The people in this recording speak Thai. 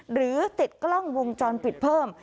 หรือติดกล้องวงจรปิดเพิ่ม